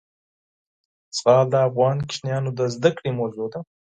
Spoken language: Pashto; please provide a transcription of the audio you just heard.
زغال د افغان ماشومانو د زده کړې موضوع ده.